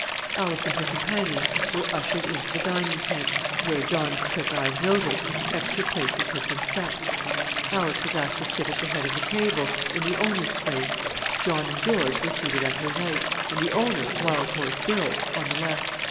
Alice and her companions were ushered into the dining tent, where, John's quick eyes noticed, extra places had been set. Alice was asked to sit at the head of the table, in the owner's place: John and George were seated at her right, and the owner Wild Horse Bill on the left.